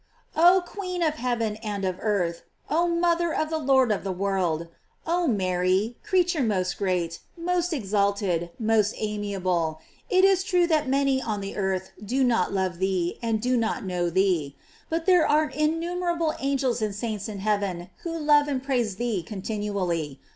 Oh Queen of heaven and of earth, oh mother of the Lord of the world, oh Mary, creature most great, most exalted, most amiable, it is true that many on the earth do not love thee and do not GLORIES OP MJLRY. 275 know tnee; but there are innumerable angels and saints iu heaven who love and praise thee con tinually.